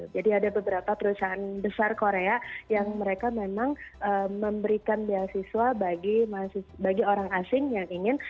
jadi ada beberapa perusahaan besar korea yang mereka memang memberikan beasiswa bagi orang asing yang ingin